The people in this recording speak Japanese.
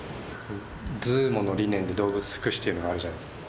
ＺＯＯＭＯの理念で動物福祉というのがあるじゃないですか。